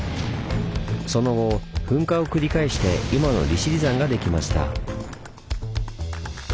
その後噴火を繰り返して今の利尻山ができました。